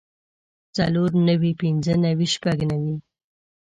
څلور نوي پنځۀ نوي شپږ نوي